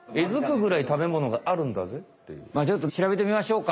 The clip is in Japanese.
まあちょっとしらべてみましょうか。